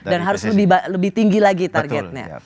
dan harus lebih tinggi lagi targetnya